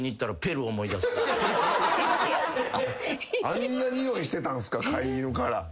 あんなにおいしてたんすか飼い犬から。